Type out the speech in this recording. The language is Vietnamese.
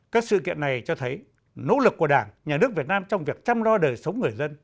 các sự kiện này cho thấy nỗ lực của đảng nhà nước việt nam trong việc chăm lo đời sống người dân